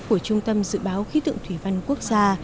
của trung tâm dự báo khí tượng thủy văn quốc gia